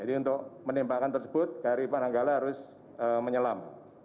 untuk menembakkan tersebut kri pananggala harus menyelam